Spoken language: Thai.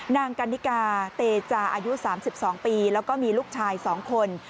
นางกันนิกาเตจาอายุ๓๒ปีแล้วก็มีลูกชาย๒คน